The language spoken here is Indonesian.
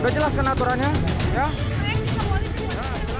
udah jelaskan aturannya ya